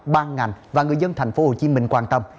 bang ngành và người dân thành phố hồ chí minh quan tâm